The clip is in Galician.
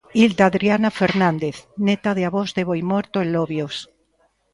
Hilda Adriana Fernández, neta de avós de Boimorto e Lobios.